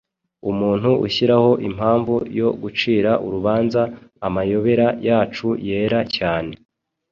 Umuntu ushyiraho impamvu yo gucira urubanza Amayobera yacu yera cyane.'